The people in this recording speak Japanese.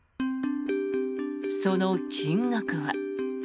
その金額は。